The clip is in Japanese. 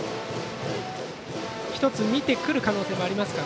１つ、見てくる可能性もありますか。